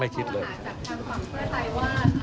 ไม่คิดเลยครับ